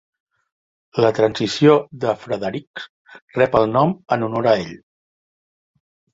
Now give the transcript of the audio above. La transició de Frederiks rep el nom en honor a ell.